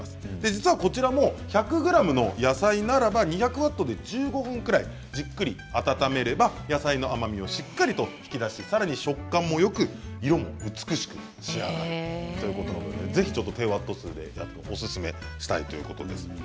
実は、こちらも１００ｇの野菜ならば２００ワットで１５分くらいじっくり温めれば野菜の甘みをしっかりと引き出しさらに食感もよく色も美しく仕上がるということでぜひ低ワット数でやっておすすめということでした。